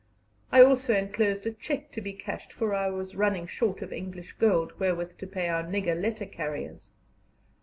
I also enclosed a cheque to be cashed, for I was running short of English gold wherewith to pay our nigger letter carriers.